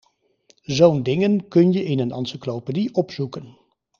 Zo'n dingen kun je in een encyclopedie opzoeken.